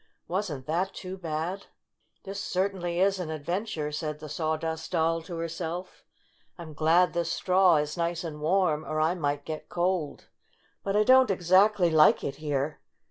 Wasn't that too bad ?' 6 This certainly is an adventure!" said the Sawdust Doll to herself. "I'm glad this straw is nice and warm, or I might get cold. But I don't exactly like it here.